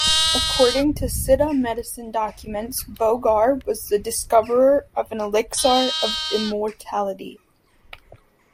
According to siddha medicine documents, Bogar was the discoverer of an elixir of immortality.